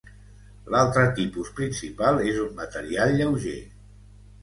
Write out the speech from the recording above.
L'altre tipus principal és un material lleuger.